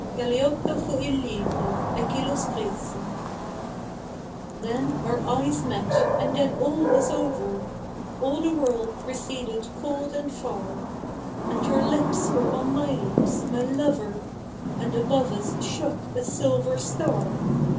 Galeotto fu il libro, e chi lo scrisse. Then our eyes met, and then all tvas over — All the world receded cold and far , And y cur lips were on tny lips, my lover ; And above us shojk a silver star.